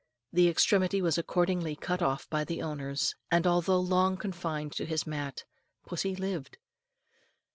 The extremity was accordingly cut off by the owners, and, although long confined to his mat, pussy lived.